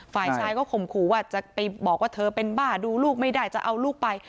ฝ่ายชายก็ข่มขู่ว่าจะไปบอกว่าเธอเป็นบ้าดูลูกไม่ได้จะเอาลูกไป